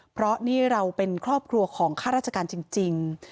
เพราะนี่เราเป็นครอบครัวของข้าราชการจริง